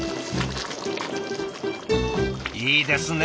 いいですね